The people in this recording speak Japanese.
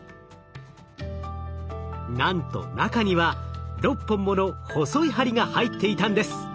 なんと中には６本もの細い針が入っていたんです。